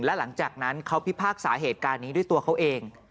และหลังจากนั้นเขาพิพากษาเหตุการณ์นี้ด้วยตัวเขาเอง